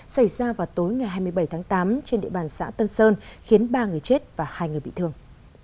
xảy ra vào tối ngày hai mươi bảy tháng tám trên địa bàn xã tân sơn khiến ba người chết và hai người bị thương